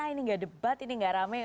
ini tidak debat ini tidak rame